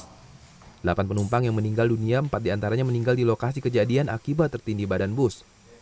delapan penumpang yang meninggal dunia empat diantaranya meninggal di lokasi kejadian akibat tertindih badan bus